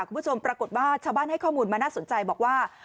คุณผู้ชมปรากฏว่าชาวบ้านให้ข้อมูลมาน่าสนใจบอกว่า